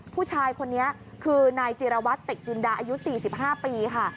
ผู้ชายคนนี้คือนายจิรวัตรเต็กจินดาอายุ๔๕ปีค่ะ